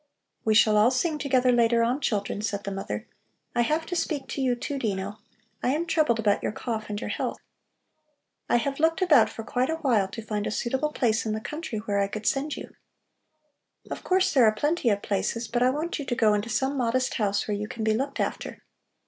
"We shall all sing together later on, children," said the mother. "I have to speak to you, too, Dino. I am troubled about your cough and your health. I have looked about for quite a while to find a suitable place in the country where I could send you. Of course, there are plenty of places, but I want you to go into some modest house where you can be looked after.